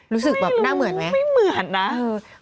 รู้สึกแบบหน้าเหมือนไหมไม่เหมือนนะ